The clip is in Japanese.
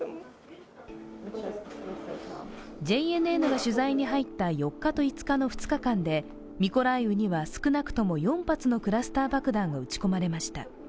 ＪＮＮが取材に入った４日と５日の２日間で、少なくともミコライウには少なくとも４発のクラスター爆弾を撃ち込まれました。